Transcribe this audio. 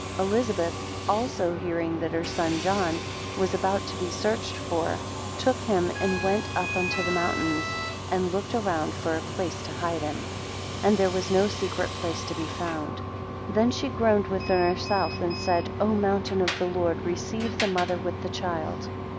3 Elizabeth also, hearing that her son John was about to be searched for, took him and went up unto the mountains, and looked around for a place to hide him; 4 And there was no secret place to be found. 5 Then she groaned within herself, and said, O mountain of the Lord, receive the mother with the child.